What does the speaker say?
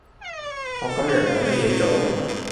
我今日冇咩嘢做